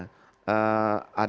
ada tataran kesehatan